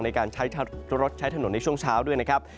ในการใช้รถใช้ถนนในช่วงเช้าด้วยนะครับ